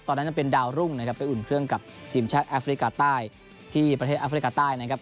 ตอนนั้นเป็นดาวรุ่งนะครับไปอุ่นเครื่องกับทีมชาติแอฟริกาใต้ที่ประเทศแอฟริกาใต้นะครับ